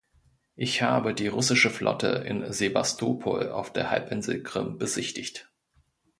Ich habe die russische Flotte in Sebastopol auf der Halbinsel Krim besichtigt.